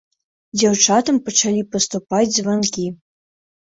Дзяўчатам пачалі паступаць званкі.